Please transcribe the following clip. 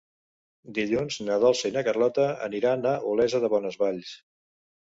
Dilluns na Dolça i na Carlota aniran a Olesa de Bonesvalls.